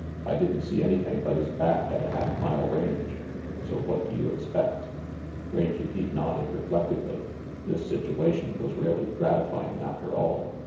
I didn't see anything but his back at a half mile range, so what do you expect?" Rangy Pete nodded reflectively. This situation was really gratifying after all.